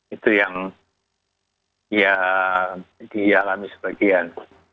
itu yang dialami sebagian